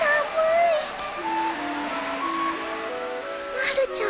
まるちゃん